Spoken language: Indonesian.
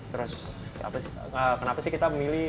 terus kenapa sih kita memilih